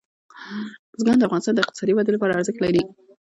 بزګان د افغانستان د اقتصادي ودې لپاره ارزښت لري.